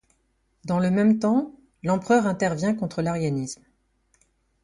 Dans le même temps, l'empereur intervient contre l'arianisme.